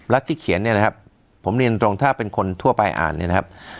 ที่เขียนเนี่ยนะครับผมเรียนตรงถ้าเป็นคนทั่วไปอ่านเนี่ยนะครับ